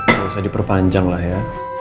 nggak usah diperpanjang lah ya